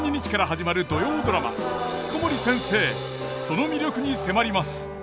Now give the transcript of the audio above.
その魅力に迫ります。